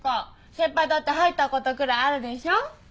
先輩だって入ったことくらいあるでしょ？